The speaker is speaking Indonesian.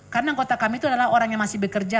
karena anggota kami itu adalah orang yang masih bekerja